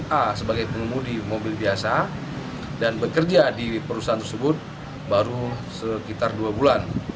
a sebagai pengemudi mobil biasa dan bekerja di perusahaan tersebut baru sekitar dua bulan